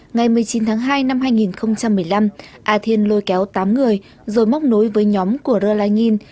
ngày một mươi chín tháng hai năm hai nghìn một mươi năm a thiên lôi kéo tám người rồi móc nối với nhóm của rơ lai nghìn